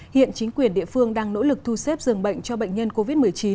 hiện chính quyền địa phương đang nỗ lực thu xếp dường bệnh cho bệnh nhân covid một mươi chín